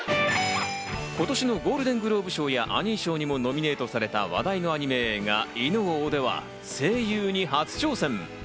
今年のゴールデングローブ賞やアニー賞にもノミネートされた話題のアニメ映画『犬王』では、声優に初挑戦。